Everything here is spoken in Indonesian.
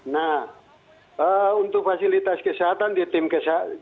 nah untuk fasilitas kesehatan di tim kesehatan